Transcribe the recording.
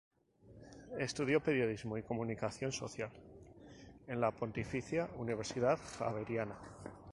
Estudió periodismo y comunicación social en la Pontificia Universidad Javeriana.